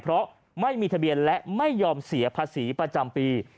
เพราะไม่มีทะเบียนและไม่ยอมเสียภาษีประจำปี